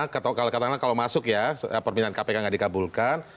kalau masuk ya permintaan kpk tidak dikabulkan